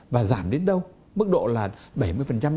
và giảm đến đâu mức độ là bảy mươi ba mươi hay năm mươi